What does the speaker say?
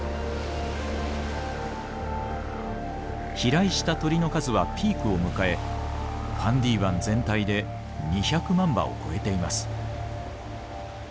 飛来した鳥の数はピークを迎えファンディ湾全体で２００万羽を超えています。